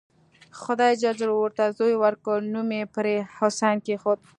خدای ج ورته زوی ورکړ نوم یې پرې حسین کېښود.